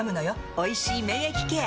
「おいしい免疫ケア」！